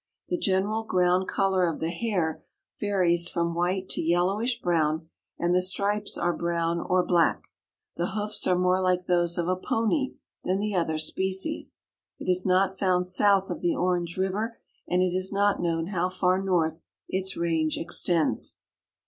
The general ground color of the hair varies from white to yellowish brown and the stripes are brown or black. The hoofs are more like those of a pony than the other species. It is not found south of the Orange river and it is not known how far north its range extends.